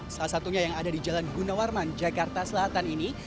salah satunya yang ada di jalan gunawarman jakarta selatan ini